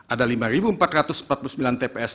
ada lima empat ratus empat puluh sembilan tps